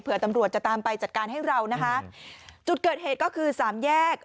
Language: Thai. เพื่อตำรวจจะตามไปจัดการให้เรานะคะจุดเกิดเหตุก็คือสามแยก